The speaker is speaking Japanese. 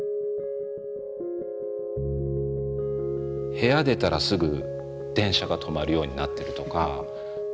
部屋出たらすぐ電車が止まるようになってるとか。